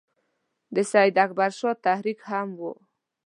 د سید اکبر شاه تحریک هم وو.